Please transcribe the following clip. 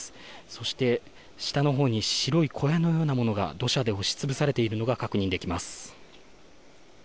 そして下のほうに白い小屋のようなものが土砂に押し潰されているのが確認できます。